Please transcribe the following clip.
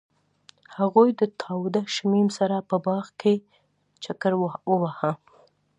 هغوی د تاوده شمیم سره په باغ کې چکر وواهه.